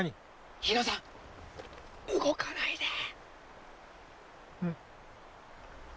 日野さん動かないで。